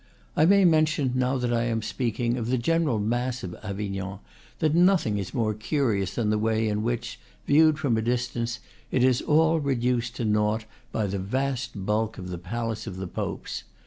I may mention, now that I am speaking of the general mass of Avignon, that nothing is more curious than the way in which, viewed from a distance, it is all reduced to nought by the vast bulk of the palace of the Popes.